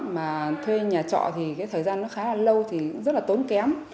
mà thuê nhà trọ thì cái thời gian nó khá là lâu thì rất là tốn kém